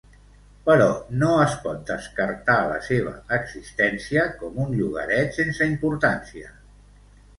Però no es pot descartar la seva existència com un llogaret sense importància.